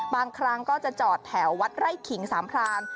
บางครั้งก็จะจอดแถววัดไร่ขิงสามพราน